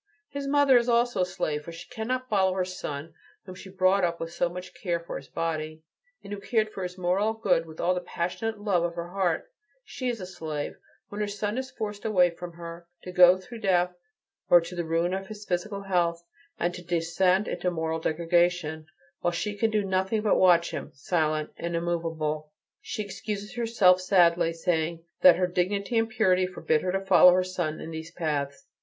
And his mother is also a slave, for she cannot follow her son, whom she brought up with so much care for his body, and who cared for his moral good with all the passionate love of her heart; she is a slave, when her son is forced away from her, to go perhaps to death or to the ruin of his physical health, and to descend into moral degradation, while she can do nothing but watch him, silent and immovable. She excuses herself sadly, saying that her dignity and purity forbid her to follow her son in these paths.